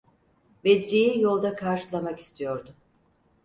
Bedri’yi yolda karşılamak istiyordu.